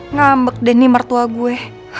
ngambek deh nih mertua gue